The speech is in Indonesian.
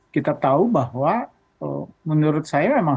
kita tahu bahwa menurut saya memang